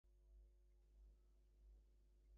আমার পেয়ালায় চিনি দিতেছ কেন?